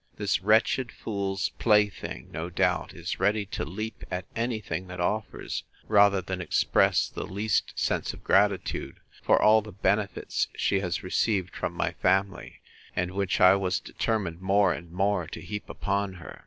This wretched fool's play thing, no doubt, is ready to leap at any thing that offers, rather than express the least sense of gratitude for all the benefits she has received from my family, and which I was determined more and more to heap upon her.